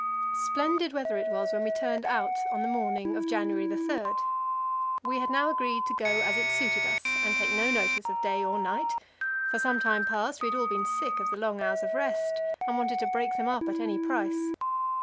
Splendid weather it was when we turned out on the morning of January 3. We had now agreed to go as it suited us, and take no notice of day or night; for some time past we had all been sick of the long hours of rest, and wanted to break them up at any price.